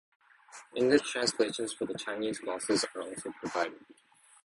English translations for the Chinese glosses are also provided.